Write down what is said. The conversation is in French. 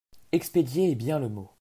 Expédiait est bien le mot.